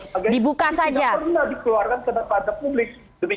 karena tidak pernah dikeluarkan kepada publik